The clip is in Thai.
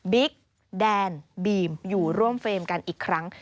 แดนบีมอยู่ร่วมเฟรมกันอีกครั้ง